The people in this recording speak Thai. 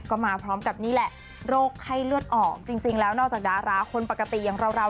ก็มาพร้อมกับนี่แหละโรคไข้เลือดออกจริงแล้วนอกจากดาราคนปกติอย่างเรา